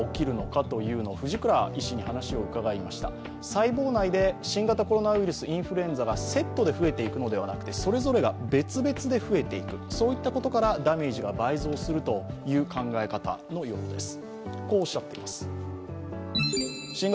細胞内で新型コロナウイルス、インフルエンザがセットで増えていくのではなくて、それぞれが別々で増えていくといったことからダメージが倍増するという考え方のようです。